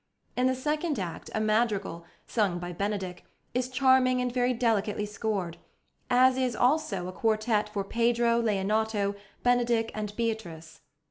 In the second act a madrigal, sung by Benedick, is charming and very delicately scored, as is also a quartet for Pedro, Leonato, Benedick, and Beatrice.